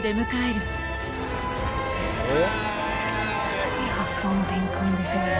すごい発想の転換ですよね。